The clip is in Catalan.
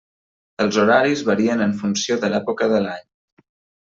Els horaris varien en funció de l'època de l'any.